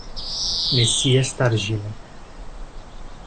Messias Targino